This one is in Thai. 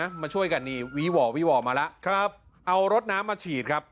มาช่วยกันนี่วีห่อวีว่อมาแล้วครับเอารถน้ำมาฉีดครับ